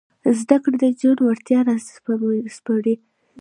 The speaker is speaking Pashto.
زده کړه د نجونو وړتیاوې راسپړي.